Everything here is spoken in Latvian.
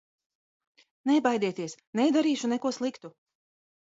Nebaidieties, nedarīšu neko sliktu!